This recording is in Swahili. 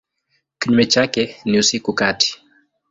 Kinyume chake ni usiku kati.